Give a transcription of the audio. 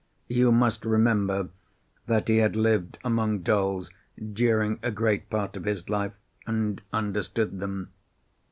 You must remember that he had lived among dolls during a great part of his life, and understood them.